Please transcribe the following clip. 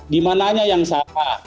di mananya yang salah